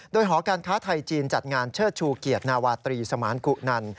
โดยหอการค้าไทยจีนจัดงานเชิดชูเกียรตินาวาตรีสมานกุนัน